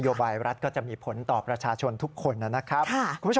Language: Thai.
บายรัฐก็จะมีผลต่อประชาชนทุกคนนะครับ